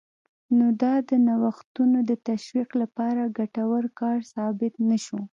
نو دا د نوښتونو د تشویق لپاره ګټور کار ثابت نه شو